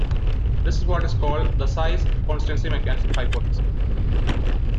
This is what is called the size constancy mechanism hypothesis.